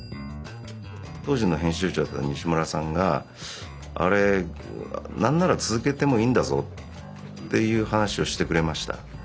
当時の編集長だった西村さんが「あれ何なら続けてもいいんだぞ」っていう話をしてくれました。